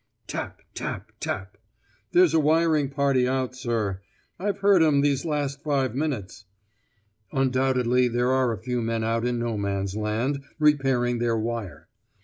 'Tap tap tap.' 'There's a wiring party out, sir. I've heard 'em these last five minutes.' Undoubtedly there are a few men out in No Man's Land, repairing their wire.